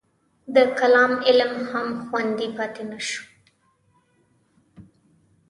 د کلام علم هم خوندي پاتې نه شو.